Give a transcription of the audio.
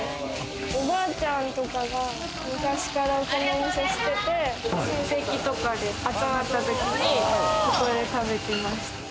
おばあちゃんとかが昔からこのお店知ってて、親戚とかで集まったときにここで食べてました。